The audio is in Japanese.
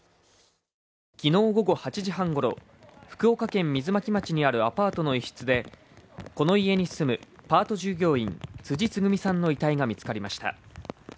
きのう午後８時半ごろ、福岡県水巻町にあるアパートの一室でこの家に住むパート従業員辻つぐみさんの遺体が見つかりました。